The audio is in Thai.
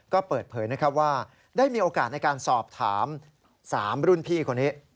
ก็เปิดเผยนะครับว่าได้มีโอกาสในการสอบถาม๓รุ่นพี่คนนี้